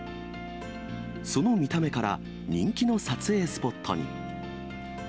その見た目から、人気の撮影スポットに。